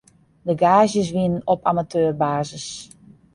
De gaazjes wienen op amateurbasis.